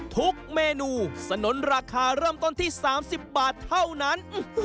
ทุกเมนูสนุนราคาเริ่มต้นที่๓๐บาทเท่านั้น